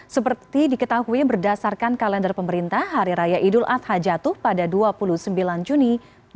seperti diketahui berdasarkan kalender pemerintah hari raya idul adha jatuh pada dua puluh sembilan juni dua ribu dua puluh